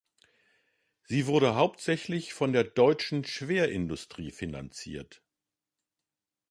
Sie wurde hauptsächlich von der deutschen Schwerindustrie finanziert.